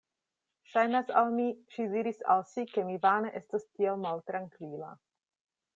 Ŝajnas al mi, ŝi diris al si, ke mi vane estas tiel maltrankvila.